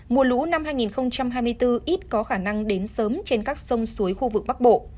mùa lũ năm hai nghìn hai mươi bốn ít có khả năng đến sớm trên các sông suối khu vực bắc bộ